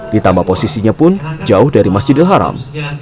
ditambah posisinya pun jauh dari masjidil haram